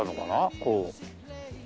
こう。